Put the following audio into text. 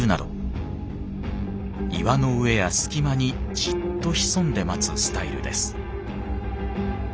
岩の上や隙間にじっと潜んで待つスタイルです。